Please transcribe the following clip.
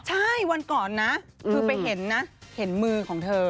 ใช่วันก่อนนะคือไปเห็นนะเห็นมือของเธอ